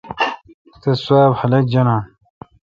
تس سوا خلق جاناں